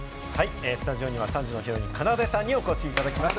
スタジオには３時のヒロイン・かなでさんにお越しいただきました。